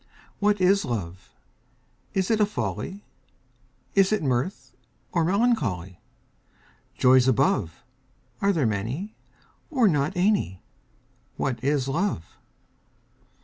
WHAT is Love? Is it a folly, Is it mirth, or melancholy? Joys above, Are there many, or not any? What is Love?